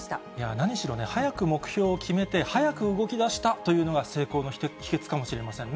何しろね、早く目標を決めて、早く動きだしたというのが、成功の秘けつかもしれませんね。